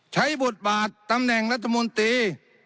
บทบาทตำแหน่งรัฐมนตรี